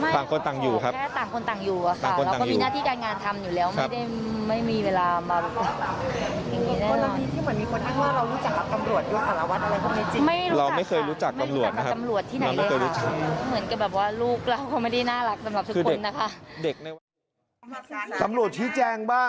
ต่างคนต่างอยู่ครับต่างคนต่างอยู่ค่ะเราก็มีหน้าที่การงานทำอยู่แล้วไม่ได้ไม่มีเวลามา